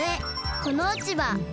この落ち葉。